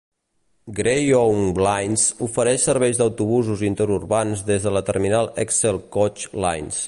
Greyhound Lines ofereix serveis d"autobusos interurbans des de la terminal Excel Coach Lines.